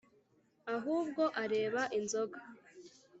Ahubwo areba inzoga